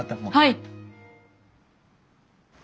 はい！